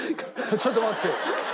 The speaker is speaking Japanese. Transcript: ちょっと待ってよ。